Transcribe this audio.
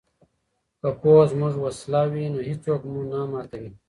که پوهه زموږ وسله وي نو هیڅوک مو نه ماتوي.